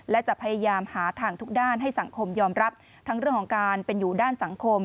และจะพยายามหาทางทุกด้านให้สังคมยอมรับทั้งเรื่องของการเป็นอยู่ด้านสังคม